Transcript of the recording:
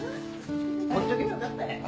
ほっちょけばよかったい。